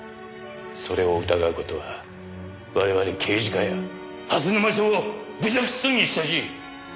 それを疑う事は我々刑事課や蓮沼署を侮辱するに等しい！